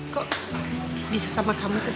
kok bisa sama kamu tuh